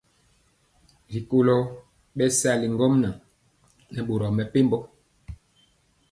Rikolo bɛsali ŋgomnaŋ nɛ boro mepempɔ.